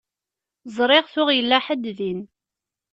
Ẓriɣ tuɣ yella ḥedd din.